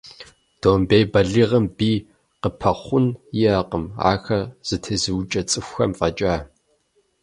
Домбей бэлигъым бий къыпэхъун иӏэкъым, ахэр зэтезыукӏэ цӏыхухэм фӏэкӏа.